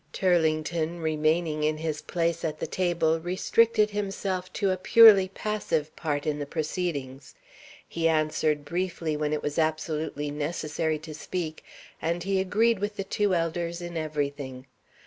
Turlington, remaining in his place at the table, restricted himself to a purely passive part in the proceedings. He answered briefly when it was absolutely necessary to speak, and he agreed with the two elders in everything.